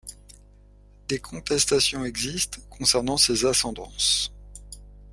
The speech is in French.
Des contestations existent concernant ses ascendances.